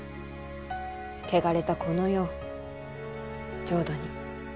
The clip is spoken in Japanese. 汚れたこの世を浄土に。